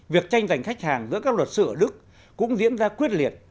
việc tranh giành khách hàng giữa các luật sư ở đức cũng diễn ra quyết liệt